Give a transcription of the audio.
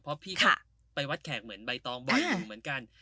เพราะพี่ไปวัดแขกเหมือนใบตองบ่อยอยู่เหมือนกัน